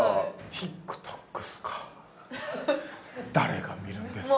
ＴｉｋＴｏｋっすか誰が見るんですか？